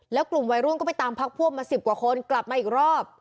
แล้วกลุ่มวัยรุ่นก็ไปตามพักพวกมา๑๐กว่าคนกลับมาอีกรอบ